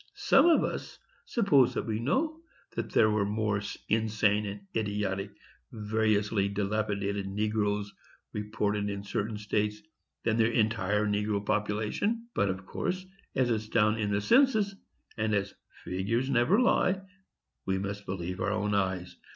Some of us suppose that we know that there were more insane and idiotic and variously dilapidated negroes reported in certain states than their entire negro population. But, of course, as it's down in the census, and as "figures never lie," we must believe our own eyes.